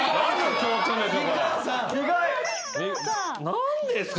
何ですか？